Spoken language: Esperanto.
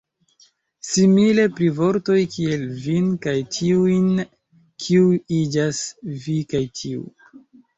Simile pri vortoj kiel "vin" kaj "tiujn", kiuj iĝas "vi" kaj "tiu".